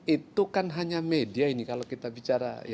itu kan hanya media ini kalau kita bicara